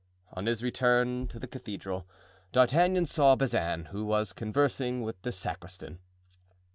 On his return to the cathedral, D'Artagnan saw Bazin, who was conversing with the sacristan.